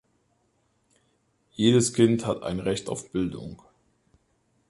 Jedes Kind hat ein Recht auf Bildung.